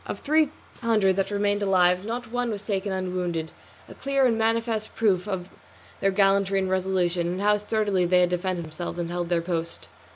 Of three hundred that remained alive not one was taken unwounded, a clear and manifest proof of their gallantry and resolution, and how sturdily they had defended themselves and held their post.